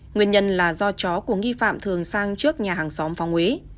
nguyên nhân là do chó của nghi phạm thường sang trước nhà hàng xóm phong úy